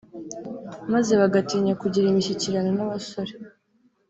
maze bagatinya kugira imishyikirano n’abasore